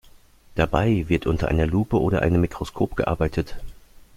Dabei wird unter einer Lupe oder einem Mikroskop gearbeitet.